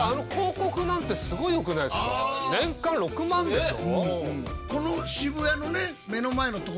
年間６万でしょ？